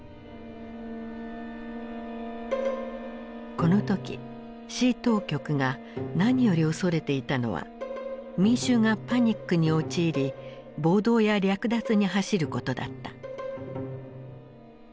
この時市当局が何より恐れていたのは民衆がパニックに陥り暴動や略奪に走ることだった。